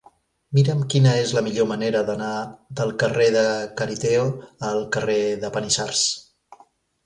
Mira'm quina és la millor manera d'anar del carrer de Cariteo al carrer de Panissars.